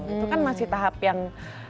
itu kan masih tahap yang